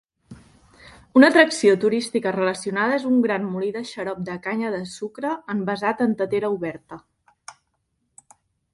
Una atracció turística relacionada és un gran molí de xarop de canya de sucre envasat en tetera oberta.